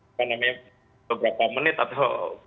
apa namanya beberapa menit atau